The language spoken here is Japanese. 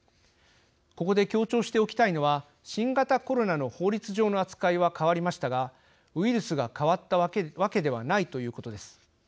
ここで強調しておきたいのは新型コロナの法律上の扱いは変わりましたがウイルスが変わったわけではないということです。